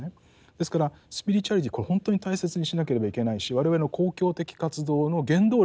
ですからスピリチュアリティこれ本当に大切にしなければいけないし我々の公共的活動の原動力になる場合もありますよね。